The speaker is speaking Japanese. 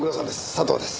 佐藤です。